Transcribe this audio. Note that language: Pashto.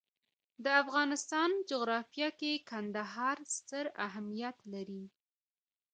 د افغانستان جغرافیه کې کندهار ستر اهمیت لري.